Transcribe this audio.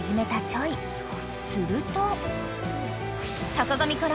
［すると］